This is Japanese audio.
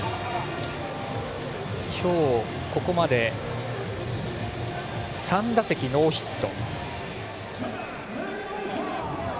今日、ここまで３打席ノーヒット。